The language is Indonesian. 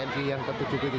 yang ke tujuh puluh tiga